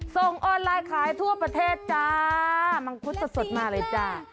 ส่งออนไลน์ขายทั่วประเทศจ้ามังคุดสดมาเลยจ้า